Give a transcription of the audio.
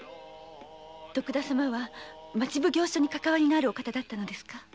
徳田様は町奉行所にかかわりのあるお方だったのですか？